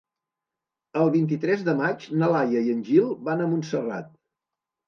El vint-i-tres de maig na Laia i en Gil van a Montserrat.